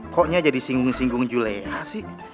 koknya jadi singgung singgung juleha sih